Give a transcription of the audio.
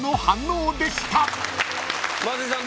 松井さん